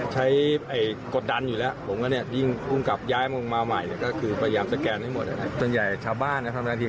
จังหวัดระยองบอกแบบนี้